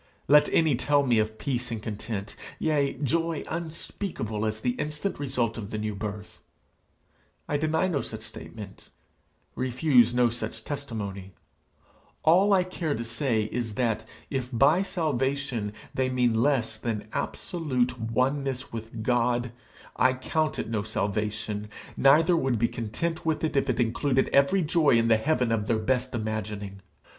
Let any tell me of peace and content, yea, joy unspeakable as the instant result of the new birth; I deny no such statement, refuse no such testimony; all I care to say is, that, if by salvation they mean less than absolute oneness with God, I count it no salvation, neither would be content with it if it included every joy in the heaven of their best imagining.